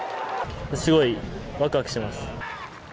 すごい、ワクワクしています。